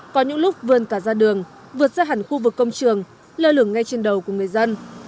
có những lúc vươn cả ra đường vượt ra hẳn khu vực công trường lơ lửng ngay trên đầu của người dân